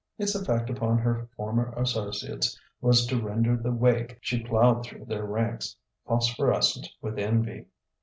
Its effect upon her former associates was to render the wake she ploughed through their ranks phosphorescent with envy.